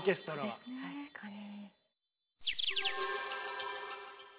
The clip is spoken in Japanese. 確かに。